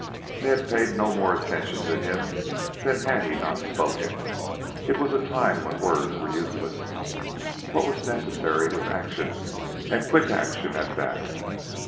Ned paid no more attention to him than had he not spoken. It was a time when words were useless. What was necessary was action and quick action at that.